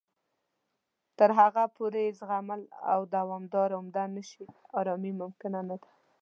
تر هغه پورې چې زغمل او مدارا عمده نه شي، ارامۍ ممکنه نه ده